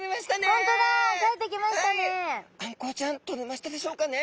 あんこうちゃんとれましたでしょうかね？